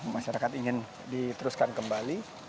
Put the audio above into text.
masyarakat ingin diteruskan kembali